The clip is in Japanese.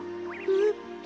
えっ？